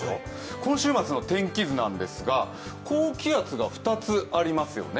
今週末の天気図なんですが、高気圧が２つありますよね。